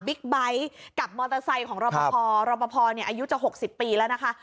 บิ๊กไบท์กับมอเตอร์ไซค์ของรอปพอร์รอปพอร์เนี่ยอายุจะหกสิบปีแล้วนะคะ